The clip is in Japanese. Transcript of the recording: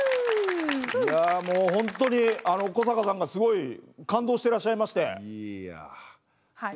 いやもうホントに古坂さんがすごい感動してらっしゃいまして。